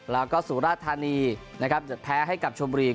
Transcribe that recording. แล้วก็สุราธานีนะครับจะแพ้ให้กับชมบุรี